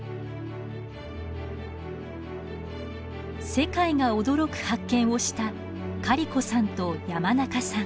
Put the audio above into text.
世界が驚く発見をしたカリコさんと山中さん。